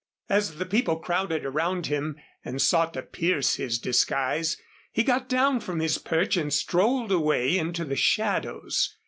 As the people crowded around him and sought to pierce his disguise, he got down from his perch and strolled away into the shadows.